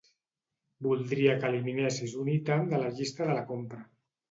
Voldria que eliminessis un ítem de la llista de la compra.